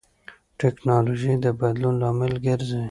ټیکنالوژي د بدلون لامل ګرځي.